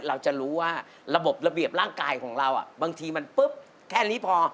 เราจะรู้ว่าระบบระเบียบร่างกายของเราบางทีมันปุ๊บแค่นี้พอ